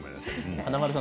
華丸さん